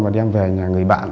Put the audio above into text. và đem về nhà người bạn